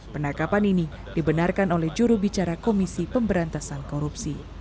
penangkapan ini dibenarkan oleh jurubicara komisi pemberantasan korupsi